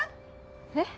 えっ？